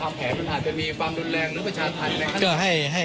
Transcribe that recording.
แผนมันอาจจะมีความรุนแรงหรือประชาธรรมไหมครับ